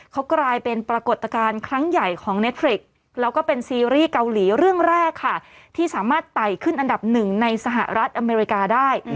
เขากลายเป็นปรากฏการณ์ครั้งใหญ่ของเนทริกแล้วก็เป็นซีรีส์เกาหลีเรื่องแรกค่ะที่สามารถไต่ขึ้นอันดับหนึ่งในสหรัฐอเมริกาได้